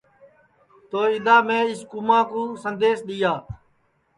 تو اِدؔا میں اِس کُوماں کُو سندیس دؔیا